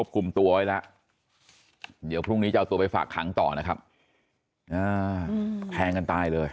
แก่งกันตายเลย